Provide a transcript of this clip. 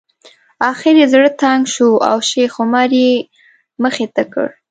اخر یې زړه تنګ شو او شیخ عمر یې مخې ته کړ.